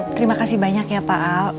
terima kasih banyak ya pak